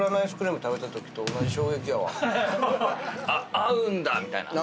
合うんだ！みたいな。